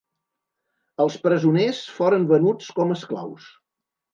Els presoners foren venuts com esclaus.